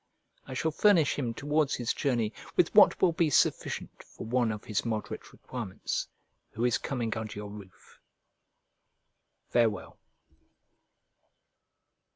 I shall furnish him towards his journey with what will be sufficient for one of his moderate requirements, who is coming under your roof. Farewell.